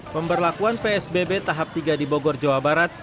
pemberlakuan psbb tahap tiga di bogor jawa barat